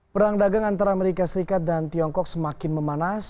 perang dagang antara amerika serikat dan tiongkok semakin memanas